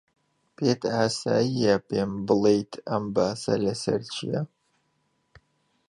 پێت ئاسایییە پێم بڵێیت ئەم باسە لەسەر چییە؟